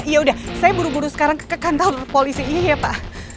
ya udah saya buru buru sekarang ke kantor polisi ini ya pak